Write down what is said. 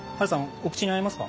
お口に合いますか？